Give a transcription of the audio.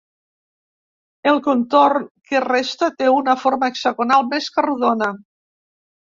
El contorn que resta té una forma hexagonal més que rodona.